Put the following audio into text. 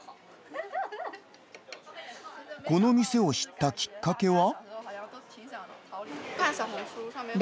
この店を知ったきっかけは。